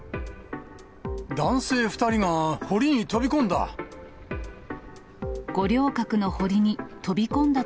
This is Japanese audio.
男性２人が堀に飛び込んだ。